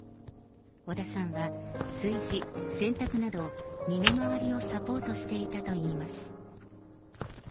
小田さんは、炊事、洗濯など、身の回りをサポートしていたといいます。